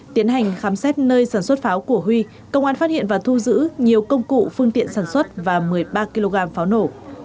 tiến hành khám xét nơi sản xuất pháo của huy công an phát hiện và thu giữ nhiều công cụ phương tiện sản xuất và một mươi ba kg pháo nổ